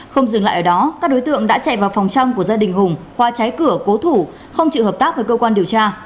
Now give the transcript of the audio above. không dừng lại ở đó các đối tượng đã chạy vào phòng trong của gia đình hùng khoa trái cửa cố thủ không chịu hợp tác với cơ quan điều tra